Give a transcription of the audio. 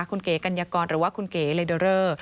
คุณเก๋กัญญากรหรือว่าคุณเก๋เลเดอเรอร์